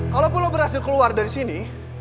kalaupun lo berhasil keluar dari sini